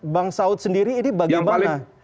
bang saud sendiri ini bagaimana